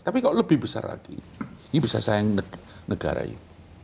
tapi kalau lebih besar lagi ini bisa sayang negara ini